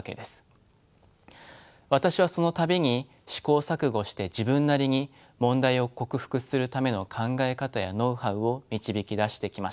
私はその度に試行錯誤して自分なりに問題を克服するための考え方やノウハウを導き出してきました。